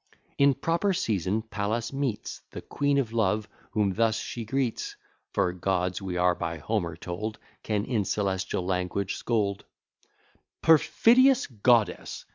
In proper season Pallas meets The Queen of Love, whom thus she greets, (For gods, we are by Homer told, Can in celestial language scold:) Perfidious goddess!